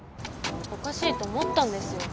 おかしいと思ったんですよ。